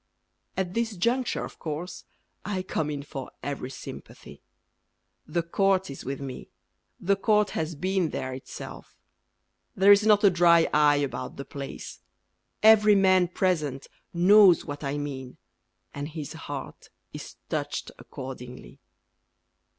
At this juncture of course I come in for every sympathy: The Court is with me, The Court has been there itself; There is not a dry eye about the place, Every man present knows what I mean, And his heart is touched accordingly.